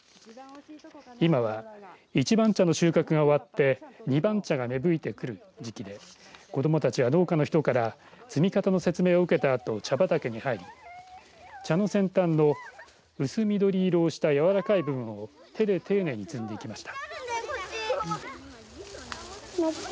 今は１番茶の収穫が終わって２番茶が芽吹いてくる時期で子どもたちは農家の人から摘み方の説明を受けたあと茶畑に入り茶の先端の薄緑色をした柔らかい部分を手で丁寧に摘んでいきました。